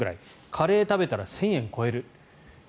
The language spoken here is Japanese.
カレーを食べたら１０００円超える。